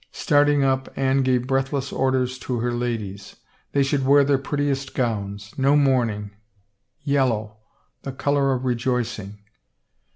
Starting up, Anne gave breathless orders to her ladies. They should wear their prettiest gowns; no mourning, yellow — the color of rejoicing.